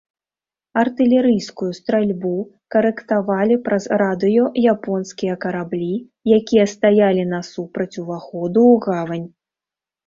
Артылерыйскую стральбу карэктавалі праз радыё японскія караблі, якія стаялі насупраць уваходу ў гавань.